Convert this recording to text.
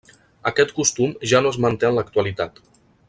Aquest costum ja no es manté en l'actualitat.